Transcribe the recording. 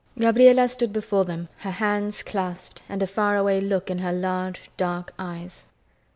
Gabriela stood before them, her hands clasped and a far away look in her large, dark eyes.